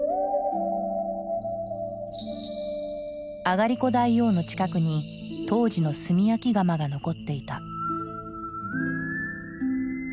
あがりこ大王の近くに当時の炭焼き窯が残っていた。